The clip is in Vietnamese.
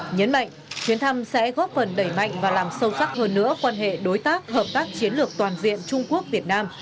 nhấn mạnh chuyến thăm sẽ góp phần đẩy mạnh và làm sâu sắc hơn nữa quan hệ đối tác hợp tác chiến lược toàn diện trung quốc việt nam